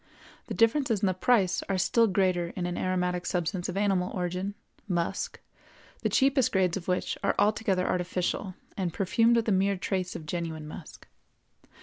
The differences in the price are still greater in an aromatic substance of animal origin, musk, the cheapest grades of which are altogether artificial and perfumed with a mere trace of genuine musk.